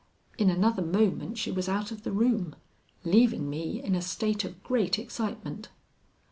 In another moment she was out of the room, leaving me in a state of great excitement.